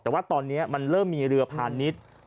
แต่ว่าตอนนี้มันเริ่มมีเรือพาณิชย์